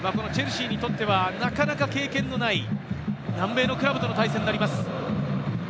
チェルシーにとっては、なかなか経験のない南米のクラブとの対戦になります。